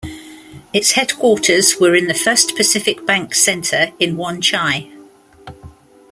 Its headquarters were in the First Pacific Bank Centre in Wan Chai.